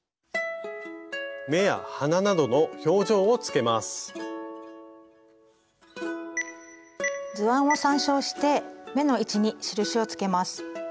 目や鼻などの図案を参照して目の位置に印をつけます。